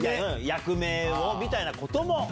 役名をみたいなことも。